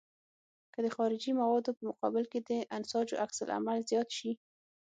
که د خارجي موادو په مقابل کې د انساجو عکس العمل زیات شي.